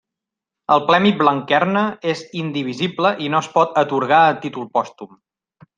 El Premi Blanquerna és indivisible i no es pot atorgar a títol pòstum.